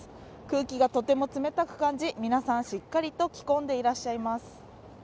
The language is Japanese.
空気がとても冷たく感じ、皆さん、しっかりと着込んでいらっしゃいます。